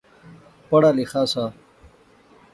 پڑھا لیخا سا